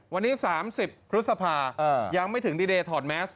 วันนี้๓๐พฤษภายังไม่ถึงดีเดย์ถอดแมส